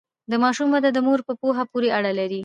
د ماشوم وده د مور په پوهه پورې اړه لري۔